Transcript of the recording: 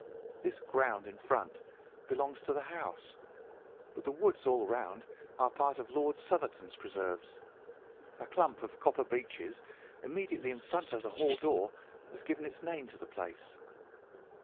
This ground in front belongs to the house, but the woods all round are part of Lord Southerton's preserves. A clump of copper beeches immediately in front of the hall door has given its name to the place.